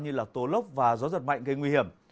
như tố lốc và gió giật mạnh gây nguy hiểm